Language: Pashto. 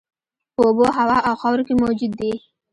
په اوبو، هوا او خاورو کې موجود دي.